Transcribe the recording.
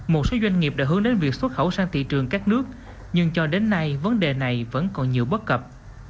một số doanh nghiệp đã hướng đến việc xuất khẩu sang thị trường các nước nhưng cho đến nay vấn đề này vẫn còn nhiều bất cập